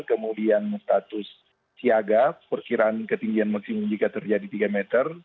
kemudian status siaga perkiraan ketinggian maksimum jika terjadi tiga meter